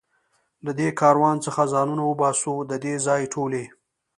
له دې کاروان څخه ځانونه وباسو، د دې ځای ټولې.